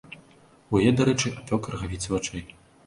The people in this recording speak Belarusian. У яе, дарэчы, апёк рагавіцы вачэй.